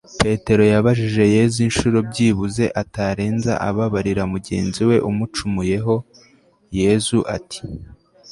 petero yabajije yezu inshuro byibuze atarenza ababarira mugenzi we umucumuyeho. yezu ati